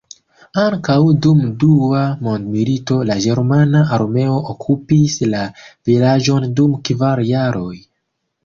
Ankaŭ dum dua mondmilito la ĝermana armeo okupis la vilaĝon dum kvar jaroj.